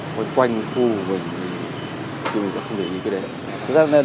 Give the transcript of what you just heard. hoặc quanh khu mình thì mình cũng không để ý đến cái đấy